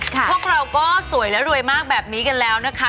พวกเราก็สวยและรวยมากแบบนี้กันแล้วนะคะ